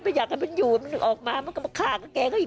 อยากให้มันอยู่มันออกมามันก็มาฆ่ากับแกก็อีก